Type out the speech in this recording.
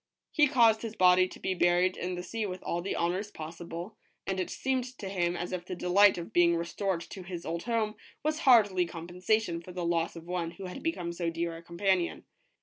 He caused his body to be buried in the sea with all the honors possible, and it seemed to him as if the delight of being restored to his old home was hardly compensation for the loss of one who had become so dear a companion.